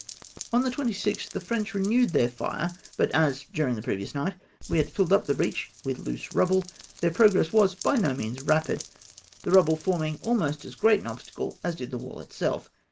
On the 26th the French renewed their fire ; but as during the previous night we had filled up the breach with loose rubble, their progress was by no means rapid, the rubble forming almost as great an obstacle as did the wall itself.